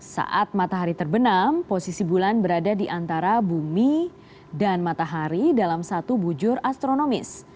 saat matahari terbenam posisi bulan berada di antara bumi dan matahari dalam satu bujur astronomis